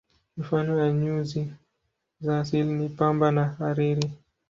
Mifano ya nyuzi za asili ni pamba na hariri.